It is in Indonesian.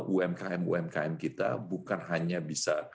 umkm umkm kita bukan hanya bisa